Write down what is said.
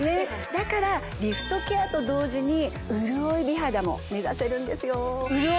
だからリフトケアと同時に潤い美肌も目指せるんですよ